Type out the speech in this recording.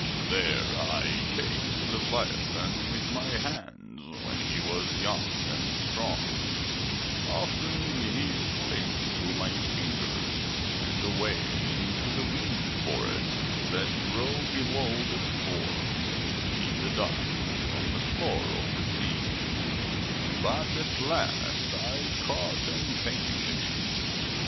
There I chased Leviathan with my hands when he was young and strong; often he slipped through my fingers, and away into the weed forests that grow below the storms in the dusk on the floor of the sea; but at last I caught and tamed him.